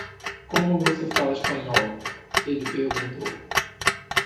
"Como você fala espanhol?", ele perguntou.